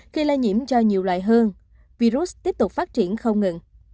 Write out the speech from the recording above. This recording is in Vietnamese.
khi lây nhiễm cho nhiều loại hơn virus tiếp tục phát triển không ngừng